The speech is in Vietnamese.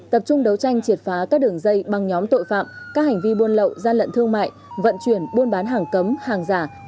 tập trung đấu tranh triệt phá các đường dây băng nhóm tội phạm các hành vi buôn lậu gian lận thương mại vận chuyển buôn bán hàng cấm hàng giả